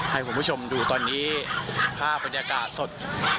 ให้คุณผู้ชมดูตอนนี้ภาพบรรยากาศสด